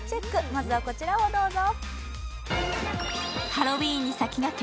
まずはこちらをどうぞ。